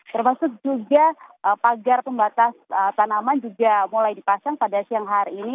termasuk juga pagar pembatas tanaman juga mulai dipasang pada siang hari ini